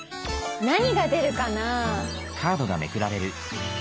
何が出るかなあ。